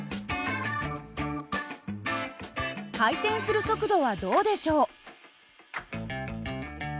回転する速度はどうでしょう？